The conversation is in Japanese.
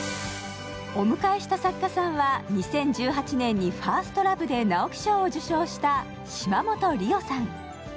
お迎えした作家さんは２０１８年に「ファーストラヴ」で直木賞を受賞した島本理生さん。